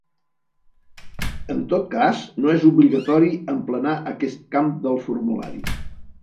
En tot cas, no és obligatori emplenar aquest camp del formulari.